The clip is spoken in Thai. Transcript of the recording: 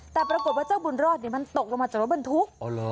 แต่ปรากฏว่าเจ้าบุญรอดมันตกลงมาจากรถบรรทุก